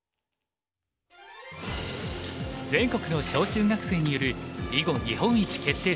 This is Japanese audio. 全国の小中学生による囲碁日本一決定